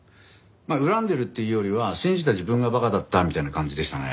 まあ恨んでるっていうよりは信じた自分が馬鹿だったみたいな感じでしたね。